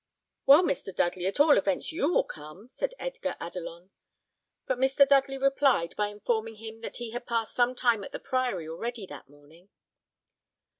"Well, Mr. Dudley, at all events you will come," said Edgar Adelon; but Mr. Dudley replied by informing him that he had passed some time at the priory already that morning.